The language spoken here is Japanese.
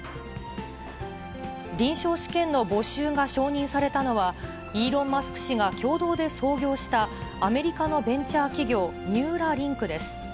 臨床試験の募集が承認されたのは、イーロン・マスク氏が共同で創業したアメリカのベンチャー企業、ニューラリンクです。